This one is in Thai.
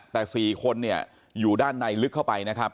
แต่๔คนเนี่ยอยู่ด้านในลึกเข้าไปนะครับ